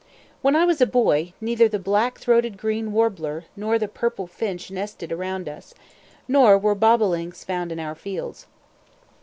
When I was a boy neither the black throated green warbler nor the purple finch nested around us, nor were bobolinks found in our fields.